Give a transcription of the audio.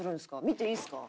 見ていいですか？